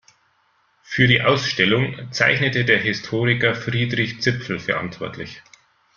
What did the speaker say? Für die Ausstellung zeichnete der Historiker Friedrich Zipfel verantwortlich.